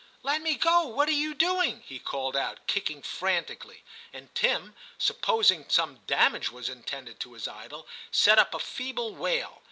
' Let me go ; what are you doing ?' he HI TIM 55 called out, kicking frantically ; and Tim, supposing some damage was intended to his idol, set up a feeble wail.